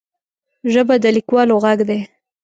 ژبه د لیکوالو غږ دی